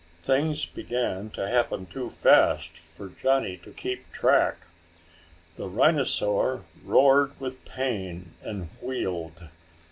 Things began to happen too fast for Johnny to keep track. The rhinosaur roared with pain and wheeled.